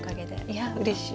いやうれしい。